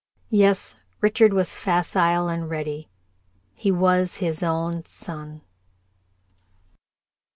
Yes, Richard was facile and ready. He was his own son.